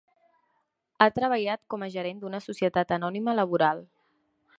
Ha treballat com a gerent d'una societat anònima laboral.